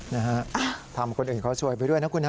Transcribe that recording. นะฮะทำคนอื่นเขาซวยไปด้วยนะคุณฮะ